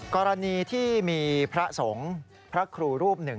กรณีที่มีพระสงฆ์พระครูรูปหนึ่ง